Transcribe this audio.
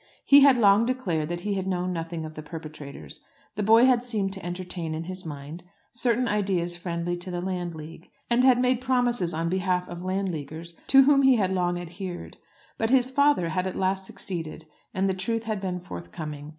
He had long declared that he knew nothing of the perpetrators. The boy had seemed to entertain in his mind certain ideas friendly to the Landleague, and had made promises on behalf of Landleaguers to which he had long adhered. But his father had at last succeeded, and the truth had been forthcoming.